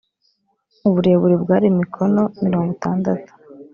uburebure bwari mikono mirongo itandatu